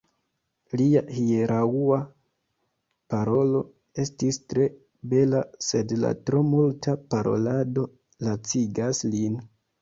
Lia hieraŭa parolo estis tre bela, sed la tro multa parolado lacigas lin.